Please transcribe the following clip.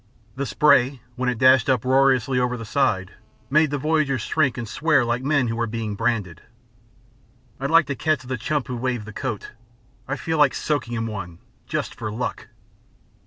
The spray, when it dashed uproariously over the side, made the voyagers shrink and swear like men who were being branded. "I'd like to catch the chump who waved the coat. I feel like soaking him one, just for luck."